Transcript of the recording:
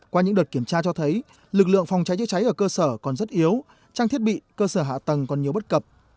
qua những đợt kiểm tra cho thấy lực lượng phòng cháy chữa cháy ở cơ sở còn rất yếu trang thiết bị cơ sở hạ tầng còn nhiều bất cập